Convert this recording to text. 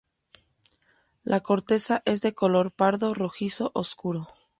La corteza es de color pardo rojizo oscuro.